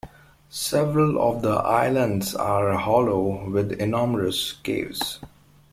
Several of the islands are hollow, with enormous caves.